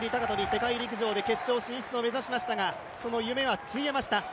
世界陸上で決勝進出を目指しましたがその夢はついえました。